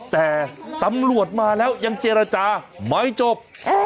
แต่ตำรวจมาแล้วยังเจรจาไม่จบ